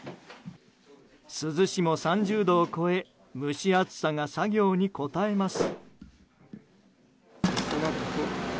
珠洲市も３０度を超え蒸し暑さが作業にこたえます。